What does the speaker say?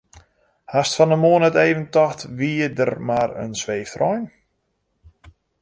Hast fan 'e moarn net even tocht wie der mar in sweeftrein?